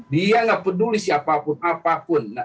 dia nggak peduli siapa apa pun